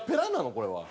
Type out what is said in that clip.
これは。